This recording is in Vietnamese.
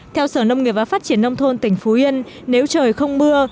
theo sở nông nghiệp và phát triển nông thôn tỉnh phú yên nếu trời không mưa